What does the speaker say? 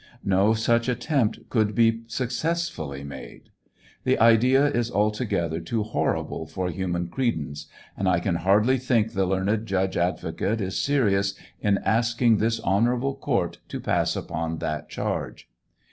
No such attempt could be successfully made The idea is altogether too horrible for human credence, and I can hardly thin! the learned judge advocate is serious in asking this honorable court to pass upo that charge.